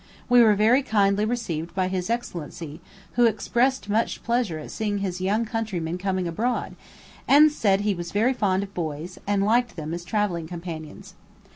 We were very kindly received by his excellency, who expressed much pleasure at seeing his young countrymen coming abroad, and said he was fond of boys, and liked them as travelling companions.